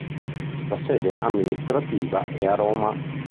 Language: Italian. La sede amministrativa è a Roma.